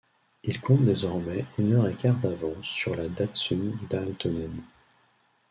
Il compte désormais une heure et quart d'avance sur la Datsun d'Aaltonen.